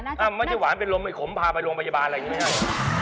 ไม่ใช่หวานเป็นลมไอ้ขมพาไปโรงพยาบาลอะไรอย่างนี้ไม่ให้